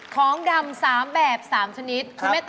เอาของแดมมาชนของสวยอย่างงานตรงนี้ครับคุณแม่ตั๊ก